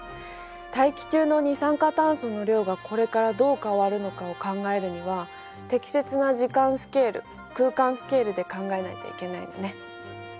大気中の二酸化炭素の量がこれからどう変わるのかを考えるには適切な時間スケール空間スケールで考えないといけないのね。